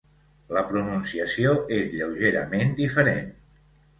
La pronunciació és lleugerament diferent.